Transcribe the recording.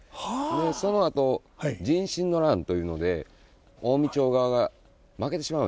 そのあと壬申の乱というので近江朝側が負けてしまうんですね。